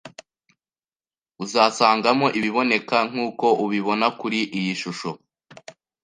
Uzasangamo ibiboneka nkuko ubibona kuri iyi shusho